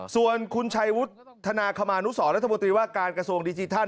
ส่วนคุณชัยวุฒิธนาคมานุสรรัฐมนตรีว่าการกระทรวงดิจิทัล